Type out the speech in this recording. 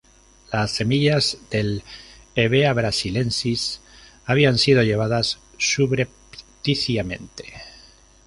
Las semillas del "Hevea brasiliensis" habían sido llevadas subrepticiamente.